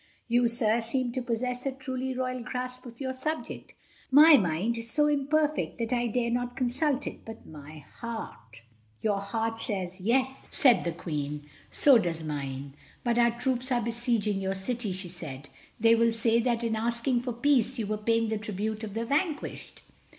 You, sir, seem to possess a truly royal grasp of your subject. My mind is so imperfect that I dare not consult it. But my heart—" "Your heart says Yes," said the Queen. "So does mine. But our troops are besieging your city," she said, "they will say that in asking for peace you were paying the tribute of the vanquished."